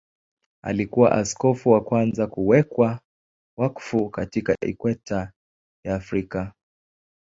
Alikuwa askofu wa kwanza kuwekwa wakfu katika Ikweta ya Afrika.